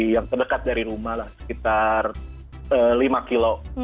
yang terdekat dari rumah lah sekitar lima kilo